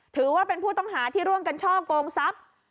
ถือว่าเป็นผู้ต้องหาที่ร่วมกันช่อกงทรัพย์